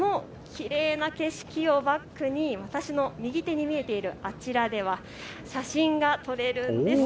このきれいな景色をバックに私の右手に見えているあちらでは写真が撮れるんです。